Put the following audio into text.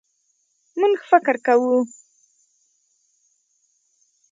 مونږ فکر کوو